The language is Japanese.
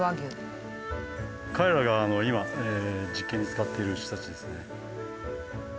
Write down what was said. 彼らが今実験に使っている牛たちですね。